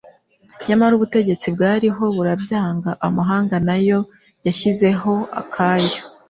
nyamara ubutegetsi bwariho burabyanga. Amahanga na yo yashyizeho akayo